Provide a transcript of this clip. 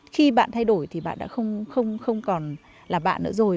khi bạn thay đổi thì bạn đã không còn là bạn nữa rồi